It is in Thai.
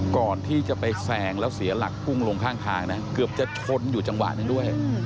ก่อนที่จะไปแซงแล้วเสียหลักพุ่งลงข้างทางนะเกือบจะชนอยู่จังหวะหนึ่งด้วย